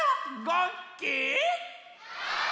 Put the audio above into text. ごっき！